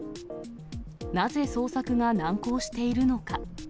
なぜ捜索が難航しているのか。